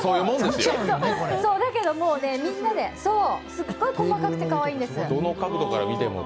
だけど、みんなで、すごく細かくてかわいいんです。